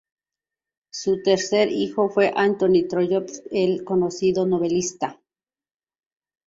Su tercer hijo fue Anthony Trollope, el conocido novelista.